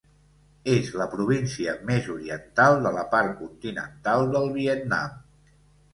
És la província més oriental de la part continental del Vietnam.